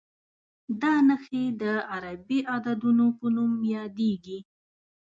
دا نښې د عربي عددونو په نوم یادېږي.